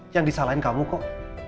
yang disalahin kamu kok